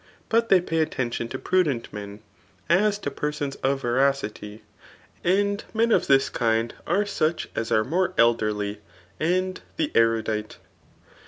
Bdt they pay attention to prndfent msn, as to persons of veracity ; ^nd men of this kind are soch as are more elderly, and the emdile.